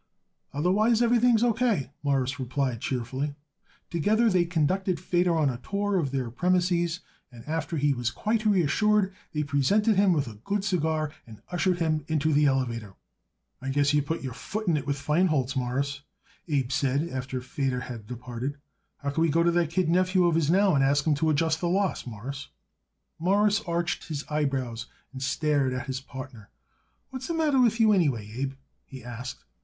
"Otherwise, everything is O. K.," Morris replied cheerfully. Together they conducted Feder on a tour of their premises and, after he was quite reassured, they presented him with a good cigar and ushered him into the elevator. "I guess you put your foot in it with Feinholz, Mawruss," Abe said after Feder had departed. "How can we go to that kid nephew of his now and ask him to adjust the loss, Mawruss?" Morris arched his eyebrows and stared at his partner. "What's the matter with you, anyway, Abe?" he asked.